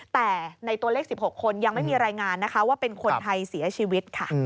แต่ในตัวเลข๑๖คนยังไม่มีรายงานนะคะว่าเป็นคนไทยเสียชีวิตค่ะ